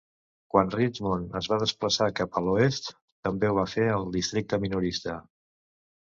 Quan Richmond es va desplaçar cap a l'oest, també ho va fer el districte minorista.